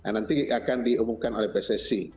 nanti akan diumumkan oleh pssi